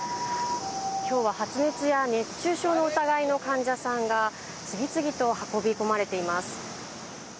今日は発熱や熱中症の疑いの患者さんが次々と運び込まれています。